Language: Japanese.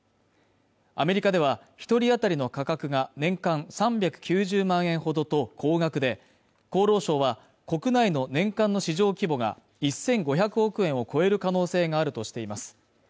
アメリカでは一人あたりの価格が年間３９０万円ほどと高額で厚労省は国内の年間の市場規模が１５００億円を超える可能性があるとしています